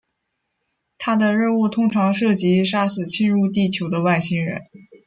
他的任务通常涉及杀死侵入地球的外星人。